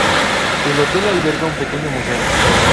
El hotel alberga un pequeño museo.